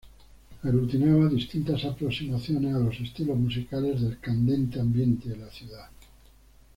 Aglutinaba distintas aproximaciones a los estilos musicales del candente ambiente de la ciudad.